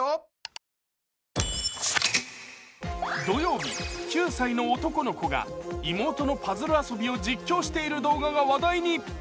土曜日、９歳の男の子が妹のパズル遊びを実況している動画が話題に。